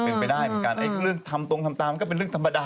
เปลี่ยนไปได้เหลืองทำตรงทำตามก็เป็นเรื่องธรรมดา